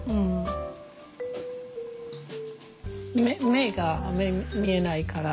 目があんまり見えないから。